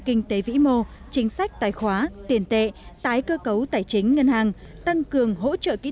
kinh tế vĩ mô chính sách tài khóa tiền tệ tái cơ cấu tài chính ngân hàng tăng cường hỗ trợ kinh